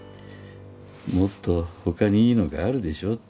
「もっと他にいいのがあるでしょ！」